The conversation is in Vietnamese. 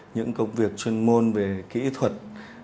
những công việc chuyên môn về kỹ thuật